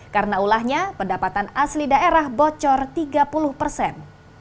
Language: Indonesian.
karena ulahnya pendapatan asli daerah bocor tiga puluh persen